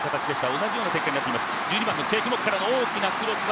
同じような展開になっています。